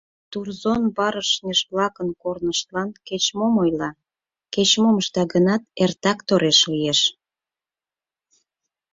Турзон барышньыж-влакын корныштлан — кеч-мом ойла, кеч-мом ышта гынат — эртак тореш лиеш.